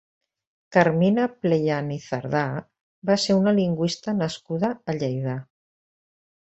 Carmina Pleyan i Cerdà va ser una lingüista nascuda a Lleida.